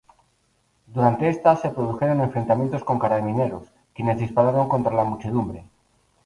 Durante esta, se produjeron enfrentamientos con Carabineros, quienes dispararon contra la muchedumbre.